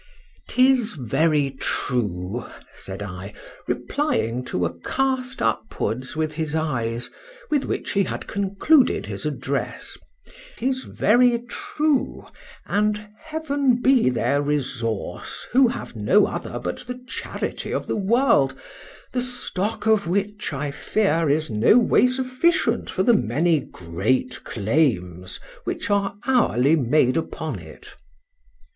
—'TIS very true, said I, replying to a cast upwards with his eyes, with which he had concluded his address;—'tis very true,—and heaven be their resource who have no other but the charity of the world, the stock of which, I fear, is no way sufficient for the many great claims which are hourly made upon it.